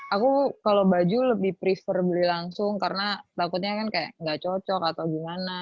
aku kalau baju lebih prefer beli langsung karena takutnya kan kayak nggak cocok atau gimana